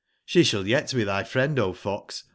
She shall yet be thy friend, O fox.